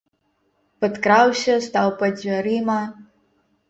Падкраўся, стаў пад дзвярыма.